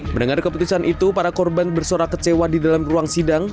mendengar keputusan itu para korban bersorak kecewa di dalam ruang sidang